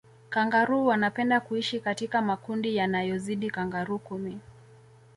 kangaroo wanapenda kuishi katika makundi yanayozidi kangaroo kumi